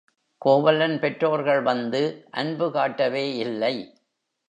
கோவலன் பெற்றோர்கள் வந்து அன்பு காட்டவே இல்லை.